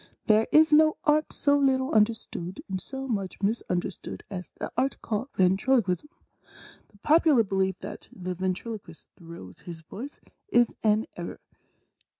There is no Art so little understood and so much misunder stood as the Art called Ventriloquism. The popular belief that the Ventriloquist throws his voice is an error.